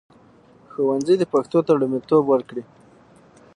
ښوونځي دې پښتو ته لومړیتوب ورکړي.